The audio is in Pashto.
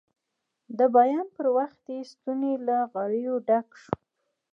د بیان پر وخت یې ستونی له غریو ډک شو.